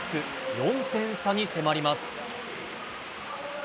４点差に迫ります。